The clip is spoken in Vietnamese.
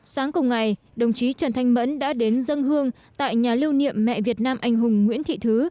sáng cùng ngày đồng chí trần thanh mẫn đã đến dân hương tại nhà lưu niệm mẹ việt nam anh hùng nguyễn thị thứ